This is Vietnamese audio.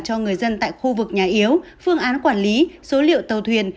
cho người dân tại khu vực nhà yếu phương án quản lý số liệu tàu thuyền